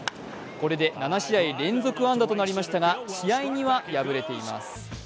これで７試合連続安打となりましたが試合には敗れています。